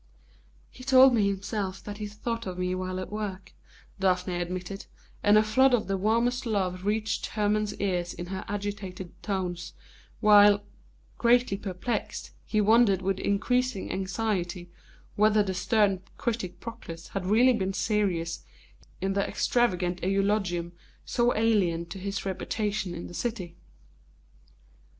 "He told me himself that he thought of me while at work," Daphne admitted, and a flood of the warmest love reached Hermon's ears in her agitated tones, while, greatly perplexed, he wondered with increasing anxiety whether the stern critic Proclus had really been serious in the extravagant eulogium, so alien to his reputation in the city.